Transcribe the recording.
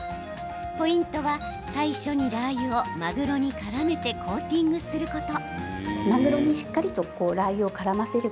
ポイントは最初にラー油をまぐろにからめてコーティングすること。